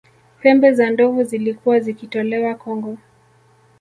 pembe za ndovu zilikuwa zikitolewa kongo